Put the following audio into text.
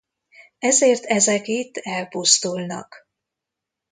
Ezért ezek itt elpusztulnak.